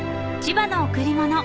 ［『千葉の贈り物』］